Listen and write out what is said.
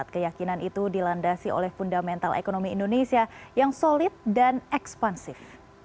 keyakinan itu dilandasi oleh fundamental ekonomi indonesia yang solid dan ekspansif